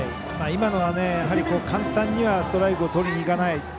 今のは、やはり簡単にはストライクをとりにいかない。